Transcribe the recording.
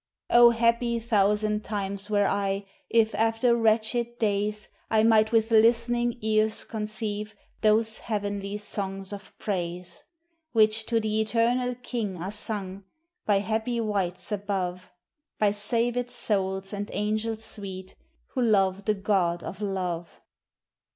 Oh! happy thousand times were I, If, after wretched days, I might with listening ears conceive Those heavenly songs of praise, Which to the eternal king are sung By happy wights above By savèd souls and angels sweet, Who love the God of love.